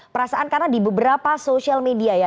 perasaan karena di beberapa media sosial ya